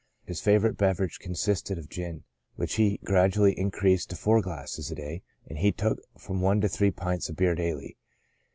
His favorite beverage consisted of gin, which he gradually increased to four glasses a day, and he took from one to three pints of beer daily.